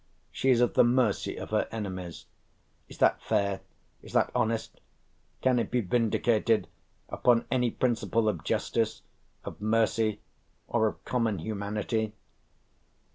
She is at the mercy of her enemies. Is that fair? Is that honest? Can it be vindicated upon any principle of justice, of mercy or of common humanity?"